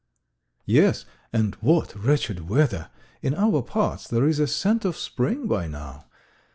"Yes, and what wretched weather! In our parts there is a scent of spring by now.